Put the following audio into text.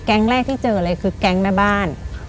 แรกที่เจอเลยคือแก๊งแม่บ้าน